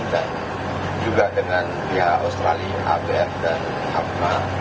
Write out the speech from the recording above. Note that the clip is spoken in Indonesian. dan juga dengan pihak australia abf dan apma